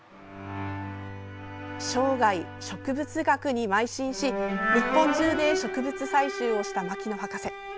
生涯、植物学にまい進し日本中で植物採集をした牧野博士。